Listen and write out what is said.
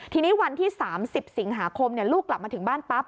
ทีนี้วันที่๓๐สิงหาคมลูกกลับมาถึงบ้านปั๊บ